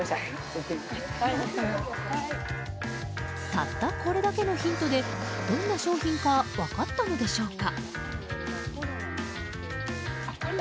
たったこれだけのヒントでどんな商品か分かったのでしょうか。